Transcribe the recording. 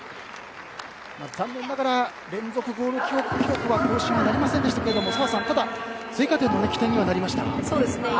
残念ながら連続ゴール記録は更新なりませんでしたがただ澤さん追加点の起点にはなりました。